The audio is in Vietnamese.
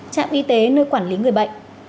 trạm y tế nơi quản lý người bệnh